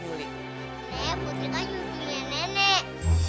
nek putri kan cucunya nenek